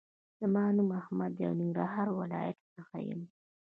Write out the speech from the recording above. زما نوم احمد دې او ننګرهار ولایت څخه یم